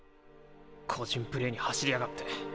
個人プレーに走りやがって。